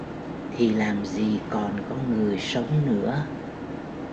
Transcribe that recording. thì làm gì còn có người sống nữa